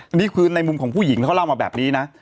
อันนี้คือในมุมของผู้หญิงเขาเล่ามาแบบนี้นะ